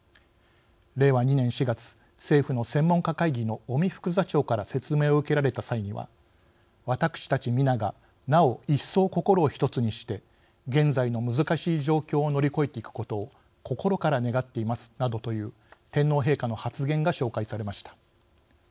令和２年４月政府の専門家会議の尾身副座長から説明を受けられた際には「私たち皆がなお一層心を一つにして現在の難しい状況を乗り越えていくことを心から願っています」などという天皇陛下の発言が紹介されました。